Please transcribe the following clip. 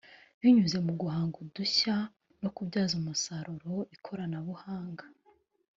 binyuze mu guhanga udushya no kubyaza umusaruro ikoranabuhanga